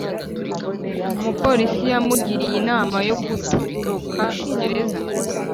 Umupolisi yamugiriye inama yo gutoroka gereza